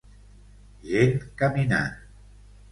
Gent caminant